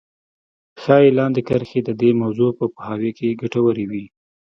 ښايي لاندې کرښې د دې موضوع په پوهاوي کې ګټورې وي.